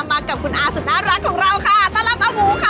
มากับคุณอาสุดน่ารักของเราค่ะต้อนรับอาหมูค่ะ